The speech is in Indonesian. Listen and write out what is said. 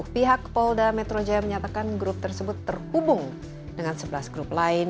pihak polda metro jaya menyatakan grup tersebut terhubung dengan sebelas grup lain